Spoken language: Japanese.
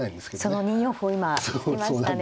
その２四歩を今突きましたね。